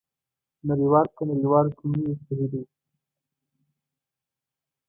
نړۍوال که نړیوال کوم یو صحي دی؟